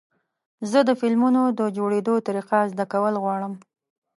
زه د فلمونو د جوړېدو طریقه زده کول غواړم.